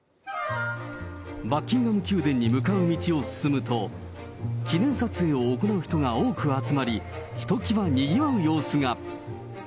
バッキンガム宮殿に向かう道を進むと、記念撮影を行う人が多く集まり、ひときわにぎわう様子が。